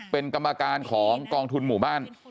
เป็นกรรมการของกองทุนหมู่บ้าน